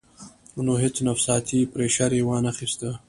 نو هېڅ نفسياتي پرېشر ئې وانۀ خستۀ -